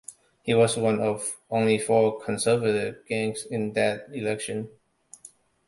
His was one of only four Conservative gains in that election.